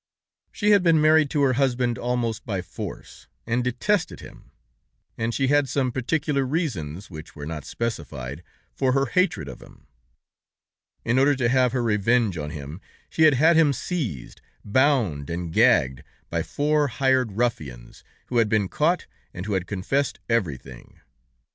"She had been married to her husband almost by force, and detested him, and she had some particular reasons (which were not specified) for her hatred of him. In order to have her revenge on him, she had had him seized, bound and gagged by four hired ruffians, who had been caught, and who had confessed everything.